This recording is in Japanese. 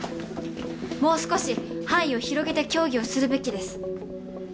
もう少し範囲を広げて協議をするべきです。